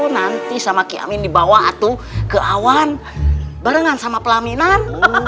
nanti sama kiamin dibawa ke awan barengan sama pelaminan